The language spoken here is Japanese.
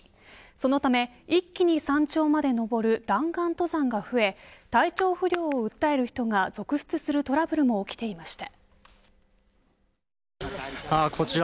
そのため、一気に山頂まで登る弾丸登山が増え体調不良を訴える人が続出するトラブルも起きていました。